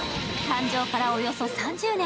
誕生からおよそ３０年。